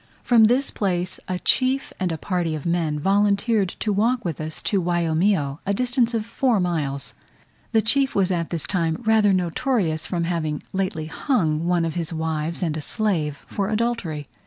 From this place a chief and a party of men volunteered to walk with us to Waiomio, a distance of four miles. The chief was at this time rather notorious from having lately hung one of his wives and a slave for adultery.